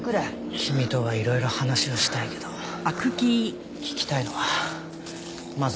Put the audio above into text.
君とはいろいろ話をしたいけど聞きたいのはまずこれだ。